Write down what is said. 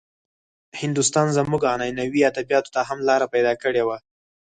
هندوستان زموږ عنعنوي ادبياتو ته هم لاره پيدا کړې وه.